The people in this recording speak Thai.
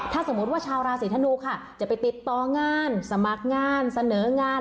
ถ้าสมมุติว่าชาวราศีธนูค่ะจะไปติดต่องานสมัครงานเสนองาน